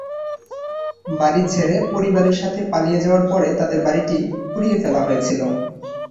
বাড়ি ছেড়ে পরিবারের সাথে পালিয়ে যাওয়ার পরে তাদের বাড়িটি পুড়িয়ে ফেলা হয়েছিল।